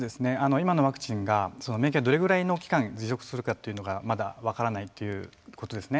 今のワクチンがどれぐらいの期間持続するかというのがまだ分からないということですね。